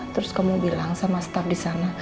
terus kamu bilang sama staff di sana